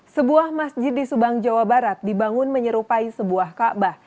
sebuah masjid di subang jawa barat dibangun menyerupai sebuah kaabah